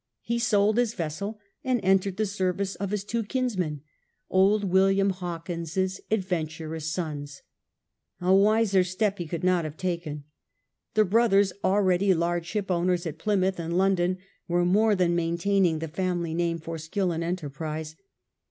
He sold his vessel and entered the service of his two kinsmen, old William Hawkins's adventurous sons. A wiser step he could not have taken. The brothers, already large ship owners at Plymouth and London, were more than nMuntaining the fanuly name for akiU and enterprise.